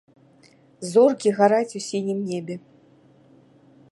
Зоркі гараць у сінім небе.